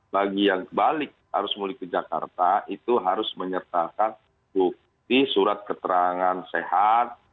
bagi yang balik harus mulai ke jakarta itu harus menyertakan bukti surat keterangan sehat